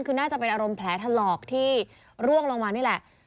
คือน่าจะเป็นอารมณ์แผลถลอกที่ร่วงลงมานี่แหละ